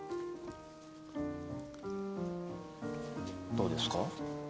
・どうですか？